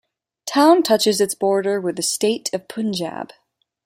Town touches its border with the state of Punjab.